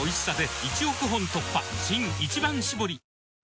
新「一番搾り」